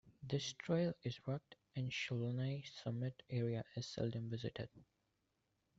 This trail is rugged and the Slhanay summit area is seldom visited.